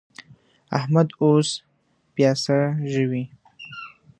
احمد اوس پياڅه ژووي.